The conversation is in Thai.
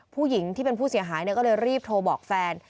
ผู้หญิงที่เป็นผู้เสียหายก็เลยรีบโทรบอกแฟน